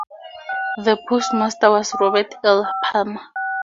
The postmaster was Robert L. Palmer.